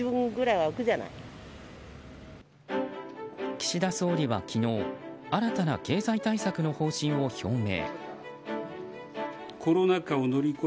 岸田総理は昨日新たな経済対策の方針を表明。